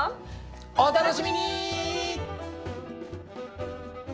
お楽しみに！